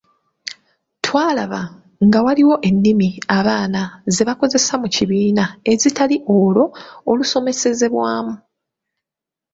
Twalaba nga waliwo ennimi abaana ze bakozesa mu kibiina ezitali olwo olusomesesbwamu.